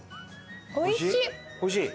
おいしい！